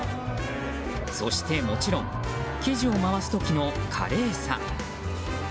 そして、もちろん生地を回す時の華麗さ。